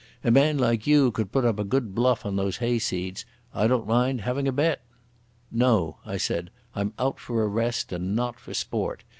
A man like you could put up a good bluff on those hayseeds. I don't mind having a bet...." "No," I said. "I'm out for a rest, and not for sport.